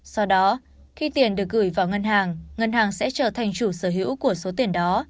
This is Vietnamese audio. sau đó khi tiền được gửi vào ngân hàng ngân hàng sẽ trở thành chủ sở hữu của số tiền đó